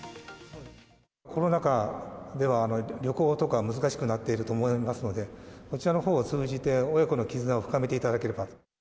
コロナ禍では旅行とかが難しくなっていると思いますので、こちらのほうを通じて親子の絆を深めていただければ。